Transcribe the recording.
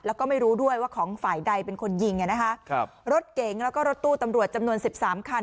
แล้วก็ไม่รู้ด้วยว่าของฝ่ายใดเป็นคนยิงรถเก๋งแล้วก็รถตู้ตำรวจจำนวน๑๓คัน